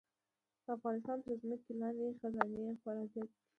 د افغانستان تر ځمکې لاندې خزانې خورا زیاتې دي.